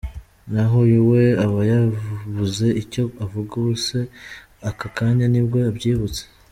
Naho uyu we aba yabuze icyo avuga ubuse aka kanya nibwo abyibutse?.